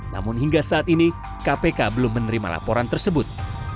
namun hingga saat ini kpk belum menerima laporan tersebut